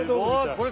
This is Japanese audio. これ。